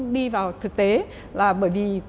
đi vào thực tế là bởi vì